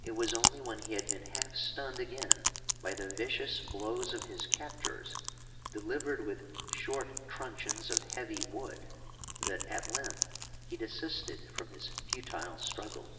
It was only when he had been half stunned again by the vicious blows of his captors, delivered with short truncheons of heavy wood, that at length he desisted from his futile struggle.